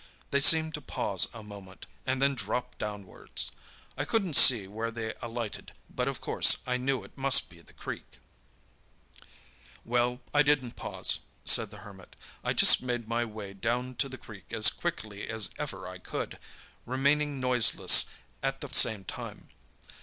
They seemed to pause a moment, and then dropped downwards. I couldn't see where they alighted, but of course I knew it must be in the creek. "Well, I didn't pause," said the Hermit. "I just made my way down to the creek as quickly as ever I could, remaining noiseless at the same time.